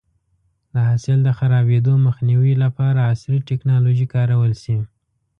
د حاصل د خرابېدو مخنیوی لپاره عصري ټکنالوژي کارول شي.